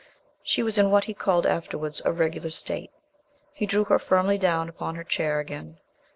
She was in what he called afterwards "a regular state." He drew her firmly down upon her chair again.